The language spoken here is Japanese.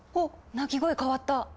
鳴き声変わった。